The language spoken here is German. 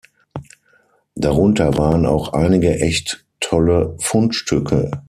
Darunter waren auch einige echt tolle Fundstücke.